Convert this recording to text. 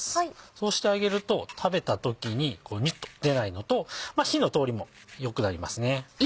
そうしてあげると食べた時ににゅっと出ないのと火の通りも良くなりますね。